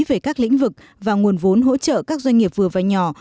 về các lĩnh vực và nguồn vốn hỗ trợ các doanh nghiệp vừa và nhỏ